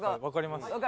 分かります。